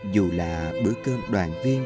dù là bữa cơm đoàn viên